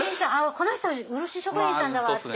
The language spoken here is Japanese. この人漆職人さんだわって。